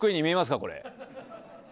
これ。